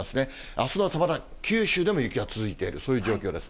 あすの朝、まだ九州でも雪が続いている、そういう状況です。